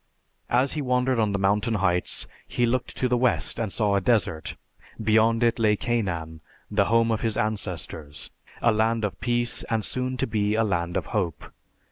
As he wandered on the mountain heights, he looked to the west and saw a desert; beyond it lay Canaan, the home of his ancestors, a land of peace and soon to be a land of hope.